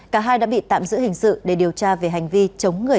cả hai đã bị tạm giữ hình sự để điều tra về hành vi chống người